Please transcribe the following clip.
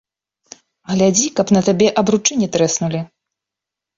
Глядзі, каб на табе абручы не трэснулі!